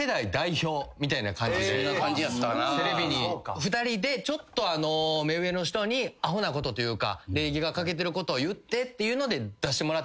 テレビに２人でちょっと目上の人にアホなことというか礼儀が欠けてることを言ってっていうので出してもらってたんです。